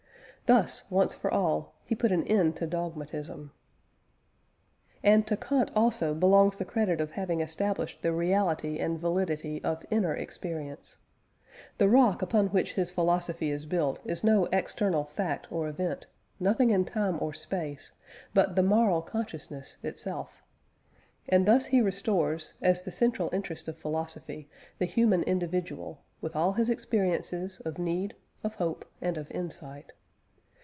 Thus, once for all, he put an end to dogmatism. And to Kant also belongs the credit of having established the reality and validity of inner experience. The rock upon which his philosophy is built is no external fact or event nothing in time or space but the moral consciousness itself. And thus he restores, as the central interest of philosophy, the human individual, with all his experiences of need, of hope, and of insight.